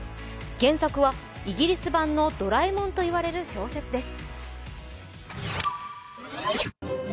原作はイギリス版の「ドラえもん」と言われる小説です。